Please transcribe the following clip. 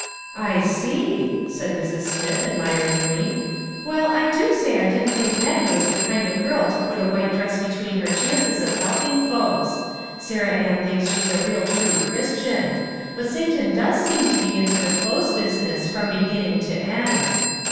" I see," said Mrs; Smith admiringly. " Well, I do say I didn't think Nettie was the kind of girl to put a white dress between her chances of helping folks. Sarah Ann thinks she's a real true Christian ; but Satan does seem to be into the clothes business from beginning to end."